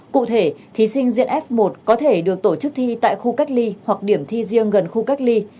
cụ thể thí sinh diện f một có thể được tổ chức thi tại khu cách ly hoặc điểm thi riêng gần khu cách ly